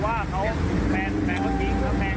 กล่อไว้